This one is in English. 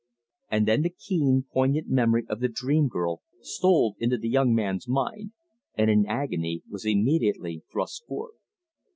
And then the keen, poignant memory of the dream girl stole into the young man's mind, and in agony was immediately thrust forth.